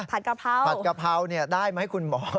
กะเพราผัดกะเพราได้ไหมคุณหมอ